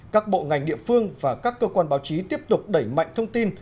các bộ ngành địa phương và các cơ quan báo chí tiếp tục đẩy mạnh thông tin